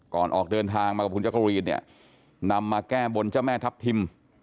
ออกเดินทางมากับคุณจักรีนเนี่ยนำมาแก้บนเจ้าแม่ทัพทิม